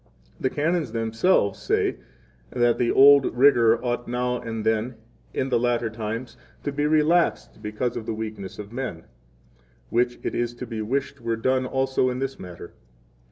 16 The Canons themselves say that the old rigor ought now and then, in the latter times, to be relaxed because of the weakness of men; which it is to be wished were done also in this matter.